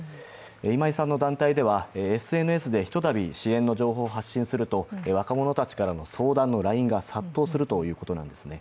今井さんの団体ではＳＮＳでひとたび支援の情報を発信すると若者たちからの相談のＬＩＮＥが殺到するということなんですね。